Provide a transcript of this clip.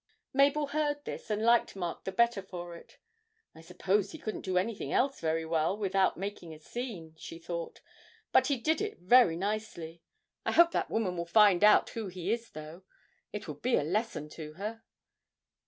Mabel heard this and liked Mark the better for it. 'I suppose he couldn't do anything else very well without making a scene,' she thought, 'but he did it very nicely. I hope that woman will find out who he is though; it will be a lesson to her!'